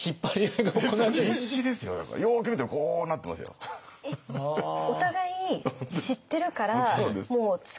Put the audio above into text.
えっお互い知ってるからもう力。